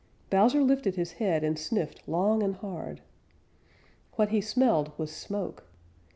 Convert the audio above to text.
Bowser lifted his head and sniffed long and hard. What he smelled was smoke.